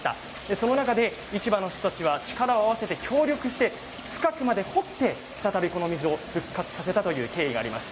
その中で市場の人たちは力を合わせて協力して深くまで掘って再び、この水が復活したという経緯があります。